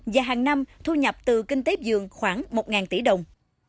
và hàng năm thu nhập từ kinh tế dường khoảng một tỷ đồng